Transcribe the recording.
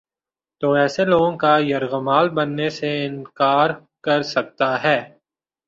تو ایسے لوگوں کا یرغمال بننے سے انکار کر سکتا ہے۔